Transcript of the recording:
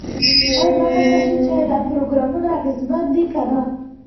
باید وکتل شي چې ایا دا پروګرامونه اغیزمن دي که نه.